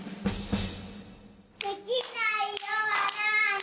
すきないろはなに？